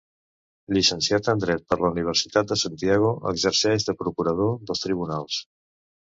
Llicenciat en dret per la Universitat de Santiago, exerceix de procurador dels Tribunals.